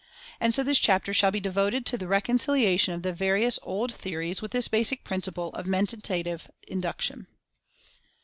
And so this chapter shall be devoted to the reconciliation of the various old the ories with this basic principle of Mentative Induction.